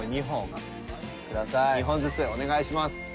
２本ずつお願いします。